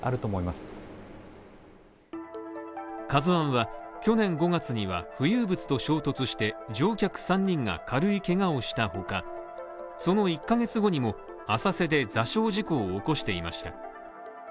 「ＫＡＺＵ１」は、去年５月には、浮遊物と衝突して乗客３人が軽いけがをした他、その１ヶ月後にも、浅瀬で座礁事故を起こしていました。